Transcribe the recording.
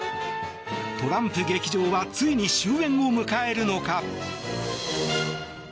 トランプ劇場はついに終えんを迎えるのか。